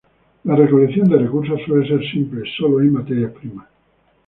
La recolección de recursos suele ser simple, solo hay materias primas.